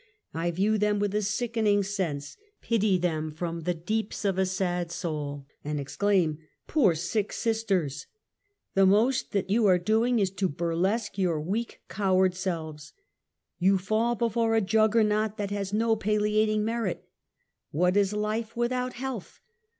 I view them with a sickening sense, pity them from the deeps of a sad soul and exclaim, poor, sick sisters ! The most that you are doing is to burlesque your weak, cow ard selves 1 You fall before a Juggernaut that has no palliating merit ! What is life without health